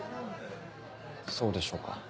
そうでしょうか？